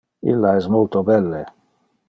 Illa es multo belle.